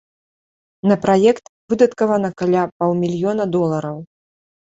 На праект выдаткавана каля паўмільёна долараў.